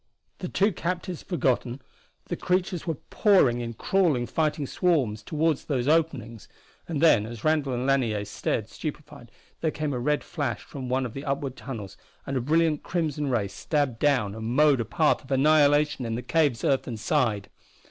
The two captives forgotten, the creatures were pouring in crawling, fighting swarms toward those openings. And then, as Randall and Lanier stared stupefied, there came a red flash from one of the upward tunnels and a brilliant crimson ray stabbed down and mowed a path of annihilation in the cave's earthen side!